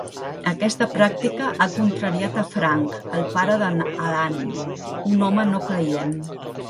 Aquesta pràctica ha contrariat a Frank, el pare d'en Alan, un home no creient.